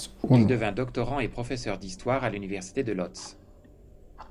Il devint doctorant et professeur d'histoire à l'Université de Łódź.